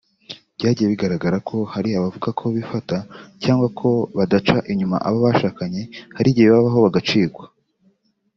Byagiye bigaragara ko hari abavuga ko bifata cyangwa ko badaca inyuma abo bashakanye hari igihe bibabaho bagacikwa